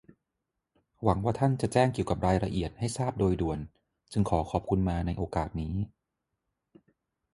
หวังว่าท่านจะแจ้งเกี่ยวกับรายละเอียดให้ทราบโดยด่วน จึงขอขอบคุณมาในโอกาสนี้